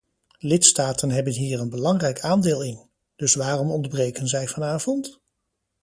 Lidstaten hebben hier een belangrijk aandeel in, dus waarom ontbreken zij vanavond?